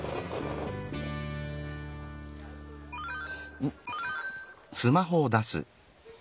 うん？